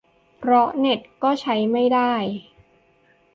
เพราะเน็ตก็ใช้ไม่ได้